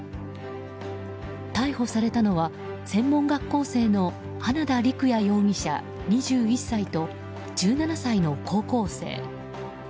逮捕されたのは専門学校生の花田陸也容疑者、２１歳と１７歳の高校生。